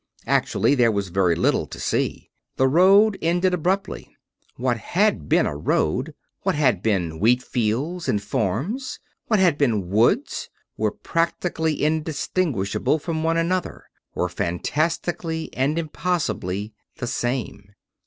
Actually, there was very little to see. The road ended abruptly. What had been a road, what had been wheatfields and farms, what had been woods, were practically indistinguishable, one from the other; were fantastically and impossibly the same.